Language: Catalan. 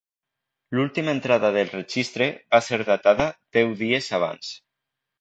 L'última entrada del registre va ser datada deu dies abans.